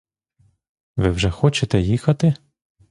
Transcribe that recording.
Ви вже хочете їхати?